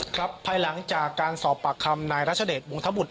ครับภายหลังจากการสอบปากคำนายรัชเดชวงธบุตร